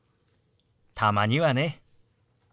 たまにはね。